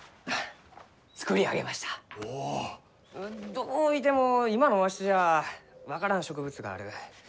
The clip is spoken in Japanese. どういても今のわしじゃ分からん植物がある。